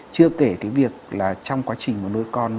chưa kể cái việc là trong quá trình mà nuôi con